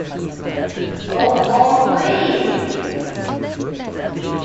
Or all three.